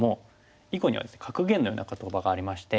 囲碁にはですね格言のような言葉がありまして。